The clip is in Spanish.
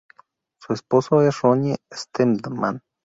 Su esposo es Ronnie Steadman.